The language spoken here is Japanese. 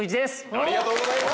ありがとうございます！